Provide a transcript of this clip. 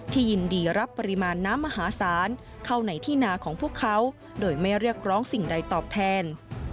ยินดีรับปริมาณน้ำมหาศาลเข้าในที่นาของพวกเขาโดยไม่เรียกร้องสิ่งใดตอบแทน